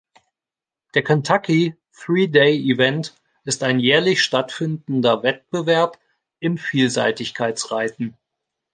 Der Kentucky Three-Day Event ist ein jährlich stattfindender Wettbewerb im Vielseitigkeitsreiten.